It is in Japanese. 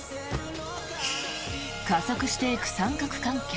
加速していく三角関係。